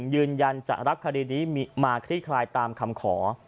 ยืนยันจะรับคดีนี้มาคลี่คลายตามคำขอ